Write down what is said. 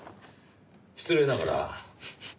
失礼ながら。